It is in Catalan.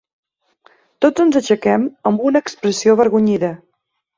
Tots ens aixequem, amb una expressió avergonyida